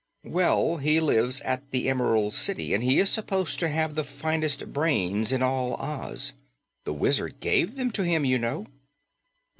"Well, he lives at the Emerald City, and he is supposed to have the finest brains in all Oz. The Wizard gave them to him, you know."